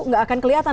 nggak akan kelihatan